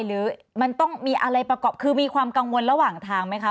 หรือมันต้องมีอะไรประกอบคือมีความกังวลระหว่างทางไหมคะ